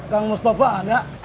kak mustafa ada